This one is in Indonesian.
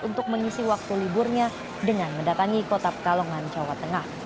untuk mengisi waktu liburnya dengan mendatangi kota pekalongan jawa tengah